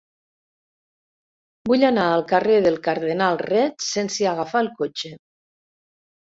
Vull anar al carrer del Cardenal Reig sense agafar el cotxe.